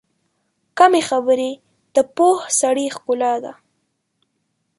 کمې خبرې، د پوه سړي ښکلا ده.